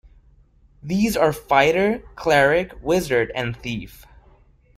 These are Fighter, Cleric, Wizard, and Thief.